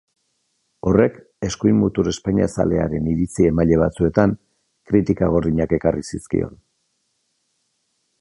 Horrek eskuin-mutur espainiazalearen iritzi emaile batzuen kritika gordinak ekarri zizkion.